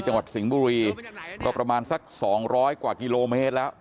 จังหวัดสิงห์บุรีก็ประมาณสักสองร้อยกว่ากิโลเมตรแล้ว